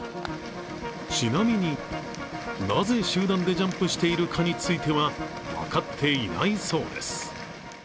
ちなみに、なぜ集団でジャンプしているかについては分かっていないそうです。